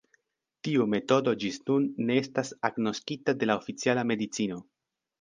Tiu metodo ĝis nun ne estas agnoskita de la oficiala medicino!